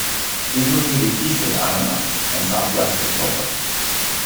It is located east of Arima and southwest of Toco.